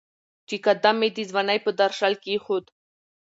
چې قدم مې د ځوانۍ په درشل کېښود